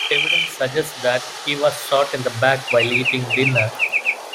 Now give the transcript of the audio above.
Evidence suggests that he was shot in the back while eating dinner.